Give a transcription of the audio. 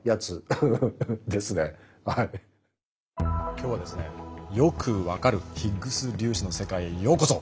今日はですねよく分かるヒッグス粒子の世界へようこそ。